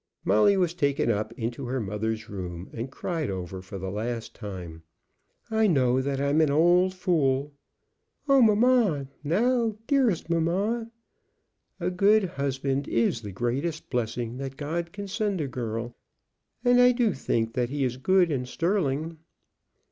Molly was taken up into her mother's room and cried over for the last time. "I know that I'm an old fool!" "Oh, mamma! now, dearest mamma!" "A good husband is the greatest blessing that God can send a girl, and I do think that he is good and sterling."